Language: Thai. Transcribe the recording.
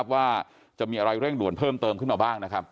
ว่าจะมีอะไรเร่งด่วนเพิ่มเติมขึ้นมาบ้างนะครับ